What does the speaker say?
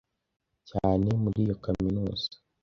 cyane muri iyo kaminuza.